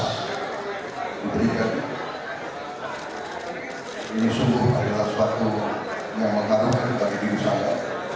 dan juga berikan ini sungguh adalah sebab yang mengaruhi kita di indonesia